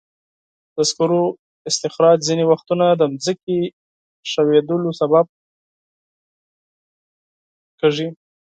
د سکرو استخراج ځینې وختونه د ځمکې ښویېدلو سبب کېږي.